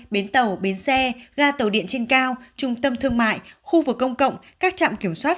bến tàu bến xe ga tàu điện trên cao trung tâm thương mại khu vực công cộng các trạm kiểm soát